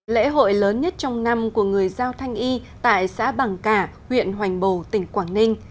lễ hội lớn nhất trong năm của người giao thanh y tại xã bằng cả huyện hoành bồ tỉnh quảng ninh